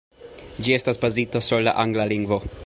Ĝi estas bazita sur la angla lingvo.